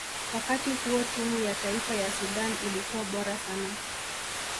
wakati huo timu ya taifa ya sudan ilikuwa bora sana